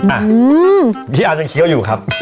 อ่ะพี่อาร์ยังเคี้ยวอยู่ครับ